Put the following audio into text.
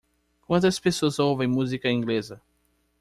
Quantas pessoas ouvem música inglesa?